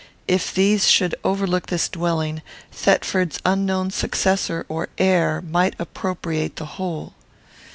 If these should overlook this dwelling, Thetford's unknown successor or heir might appropriate the whole.